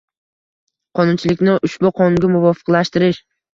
Qonunchilikni ushbu Qonunga muvofiqlashtirish